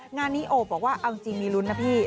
งานนี้โอบบอกว่าเอาจริงมีลุ้นนะพี่